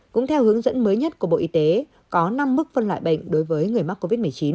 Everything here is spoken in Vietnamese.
cũng theo hướng dẫn mới nhất của bộ y tế có năm mức phân loại bệnh đối với người mắc covid một mươi chín